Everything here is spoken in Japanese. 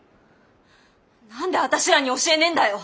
何で私らに教えねえんだよ！